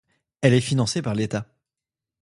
Elle est financée par l'État.